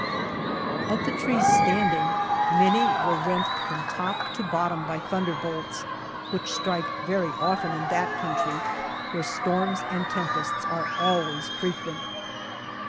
23 THE JOURNEY OF Of the trees standing many were rent from top to bottom by thunderbolts, which strike very often in that country, where storms and tempests are always frequent.